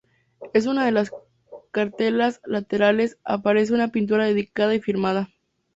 En una de las cartelas laterales aparece una pintura dedicada y firmada.